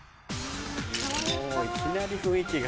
いきなり雰囲気が。